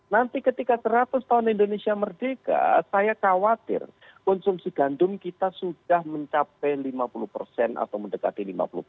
nanti ketika seratus tahun indonesia merdeka saya khawatir konsumsi gandum kita sudah mencapai lima puluh atau mendekati lima puluh